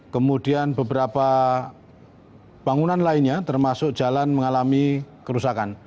kemudian beberapa bangunan lainnya termasuk jalan mengalami kerusakan